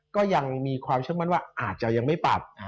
ก็ยังมีความเชื่อมั่นว่าอาจจะยังไม่ปรับ